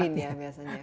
gangerin ya biasanya